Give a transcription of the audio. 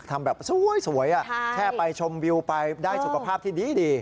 ทำแบบสวยแค่ไปชมวิวไปได้สุขภาพที่ดี